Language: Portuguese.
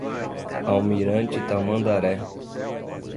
Almirante Tamandaré